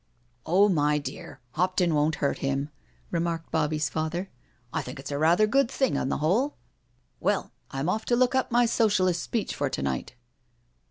" Oh, my dear, Hopton won't hurt him," remarked Bobbie's father. '* I think it is rather a good thing on the whole. Well, I'm off t6 look up my Socialist speech for to night."